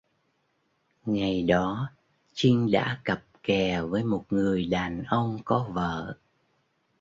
Ngày đó chinh đã cặp kè với một người đàn ông có vợ